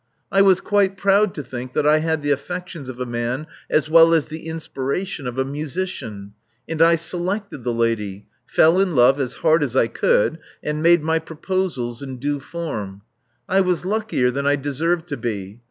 I was quite proud to think that I had the affections of a man as well as the inspiration of a musician ; and I selected the lady ; fell in love as hard as I could; and made my proposals in due form. I was luckier than I deserved to be.